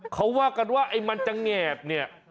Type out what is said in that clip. เขาว่ากันว่าไอ้มันจะแงบเนี่ย